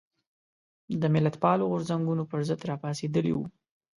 د ملتپالو غورځنګونو پر ضد راپاڅېدلي وو.